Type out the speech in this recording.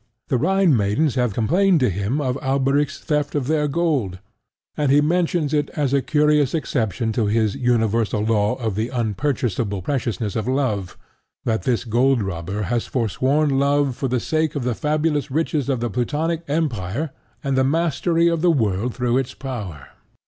The Rhine maidens have complained to him of Alberic's theft of their gold; and he mentions it as a curious exception to his universal law of the unpurchasable preciousness of love, that this gold robber has forsworn love for the sake of the fabulous riches of the Plutonic empire and the mastery of the world through its power.